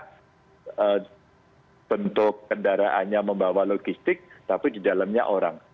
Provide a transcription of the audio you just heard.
karena bentuk kendaraannya membawa logistik tapi di dalamnya orang